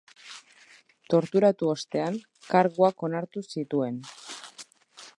Torturatu ostean, karguak onartu zituen.